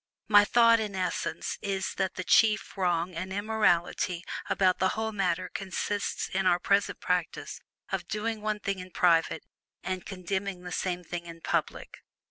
My thought, in essence, is that the chief "wrong," and "immorality" about the whole matter consists in our present practice of doing one thing in private, and condemning the same thing in public.